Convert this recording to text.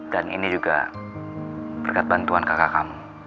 dan ini juga berkat bantuan kakak kamu